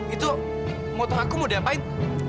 itu motor aku mau diapain